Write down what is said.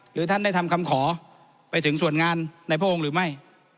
ท่านได้ทำคำขอไปถึงส่วนงานในพระองค์หรือไม่